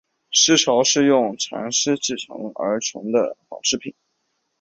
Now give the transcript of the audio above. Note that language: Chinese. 丝绸是用蚕丝编制而成的纺织品。